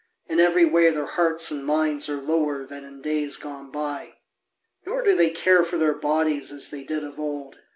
In every way their hearts and minds are lower than in days gone by. Nor do they care for their bodies as they did of old.